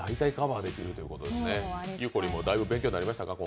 ゆうこりんもだいぶ勉強になりましたか？